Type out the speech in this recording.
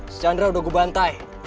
si chandra udah gue bantai